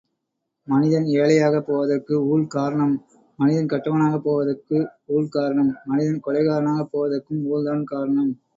மனிதன் ஏழையாகப் போவதற்கு ஊழ் காரணம் மனிதன் கெட்டவனாகப் போவதற்கு ஊழ்காரணம் மனிதன் கொலைகாரனாகப் போவதற்கும் ஊழ்தான் காரணம்!